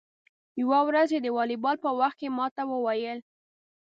یوه ورځ یې د والیبال په وخت کې ما ته و ویل: